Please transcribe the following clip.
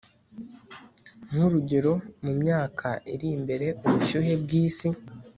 nk'urugero mu myaka iri imbere ubushyuhe bw'isi